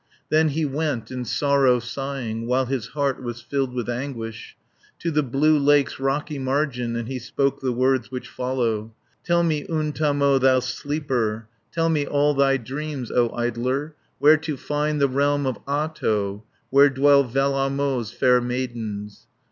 Then he went, in sorrow sighing, While his heart was filled with anguish, To the blue lake's rocky margin, And he spoke the words which follow: "Tell me, Untamo, thou sleeper, Tell me all thy dreams, O idler, Where to find the realm of Ahto, Where dwell Vellamo's fair maidens?"